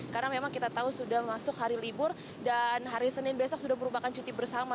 karena memang kita tahu sudah masuk hari libur dan hari senin besok sudah berubahkan cuti bersama